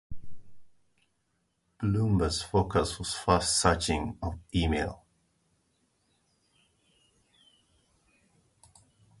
Bloomba's focus was fast searching of email.